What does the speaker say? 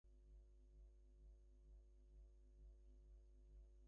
Zhao did not provide any details about the accusations.